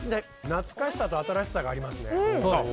懐かしさと新しさがありますね。